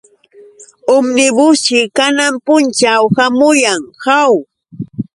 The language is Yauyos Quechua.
Umnibusćhi kanan punćhaw hamuyan, ¿aw?